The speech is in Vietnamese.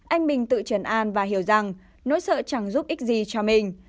anh bình tự trần an và hiểu rằng nỗi sợ chẳng giúp ích gì cho mình